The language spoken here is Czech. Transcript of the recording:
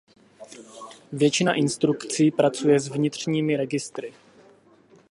Většina instrukcí pracuje s vnitřními registry.